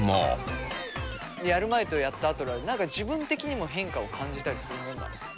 やる前とやったあとだと何か自分的にも変化を感じたりするもんなの？